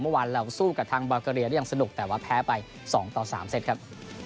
เมื่อวานเราสู้กับทางบาเกอเรียได้อย่างสนุกแต่ว่าแพ้ไป๒ต่อ๓เซตครับ